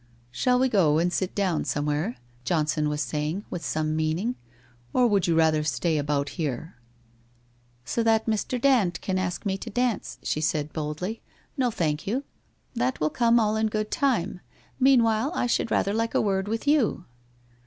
* Shall we go and sit down somewhere ?' Johnson was saying, with some meaning. ' Or would you rather stay about here ?'' So that Mr. Dand can ask me to dance/ said she boldly. 1 No, thank you. That will come all in good time. Mean while, I should rather like a word with you